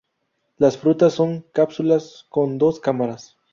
Las frutas son cápsulas con dos cámaras.